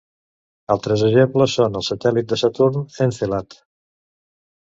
Altres exemples són el satèl·lit de Saturn Encèlad.